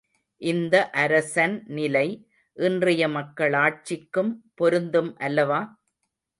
இந்த அரசன் நிலை, இன்றைய மக்களாட்சிக்கும் பொருந்தும் அல்லவா?